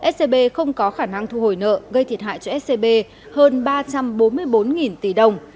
scb không có khả năng thu hồi nợ gây thiệt hại cho scb hơn ba trăm bốn mươi bốn tỷ đồng